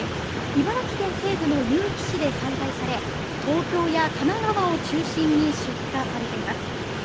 茨城県西部の結城市で栽培され、東京や神奈川を中心に出荷されています。